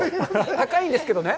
高いんですけどね。